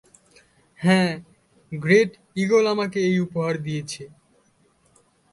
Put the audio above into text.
হ্যাঁ, great eagle আমাকে এই উপহার দিয়েছে।